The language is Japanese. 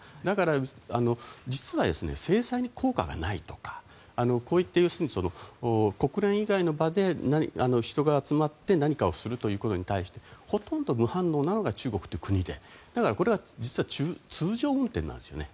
だから、実は制裁に効果がないとか国連以外の場で人が集まって何かをするということに対してほとんど無反応なのが中国という国でこれは通常運転なんです。